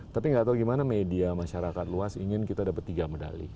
tapi nggak tahu gimana media masyarakat luas ingin kita dapat tiga medali